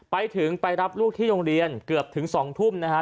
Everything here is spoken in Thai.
ไปถึงไปรับลูกที่โรงเรียนเกือบถึง๒ทุ่มนะฮะ